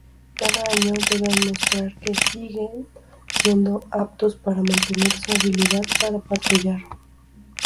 Cada año, deben mostrar que siguen siendo aptos para mantener su habilidad para patrullar.